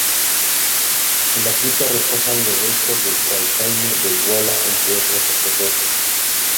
En la cripta reposan los restos del Fray Jaime de Igualada, entre otros sacerdotes.